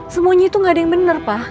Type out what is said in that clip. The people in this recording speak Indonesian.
semuanya itu gak ada yang benar pak